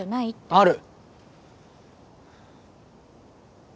ある。